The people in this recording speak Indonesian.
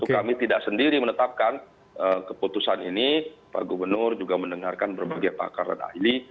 kami tidak sendiri menetapkan keputusan ini pak gubernur juga mendengarkan berbagai pakar dan ahli